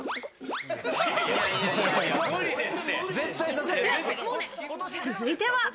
続いては。